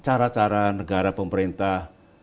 cara cara negara pemerintah